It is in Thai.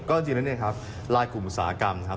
ก็จริงนะครับรายกลุ่มอุตสาหกรรมนะครับ